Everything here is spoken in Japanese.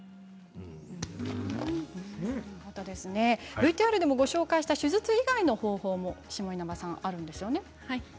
ＶＴＲでもご紹介した手術以外の方法もあるんですよね。